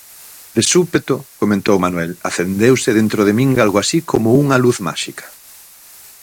"De súpeto, comentou Manuel, "acendeuse dentro de min algo así como unha luz máxica.